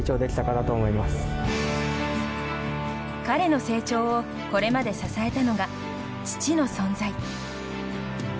彼の成長をこれまで支えたのが父の存在。